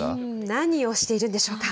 何をしているんでしょうか。